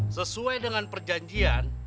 sesuai dengan perjanjian